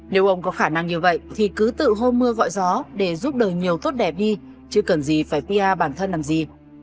nếu ông có khả năng như vậy thì cứ tự hôn mưa gọi gió để giúp đời nhiều tốt đẹp đi chứ cần gì phải pia bản thân làm gì